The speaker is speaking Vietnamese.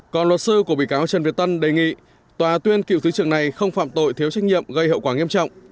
còn luật sư của bị cáo trần việt tân đề nghị tòa tuyên cựu thứ trưởng này không phạm tội thiếu trách nhiệm gây hậu quả nghiêm trọng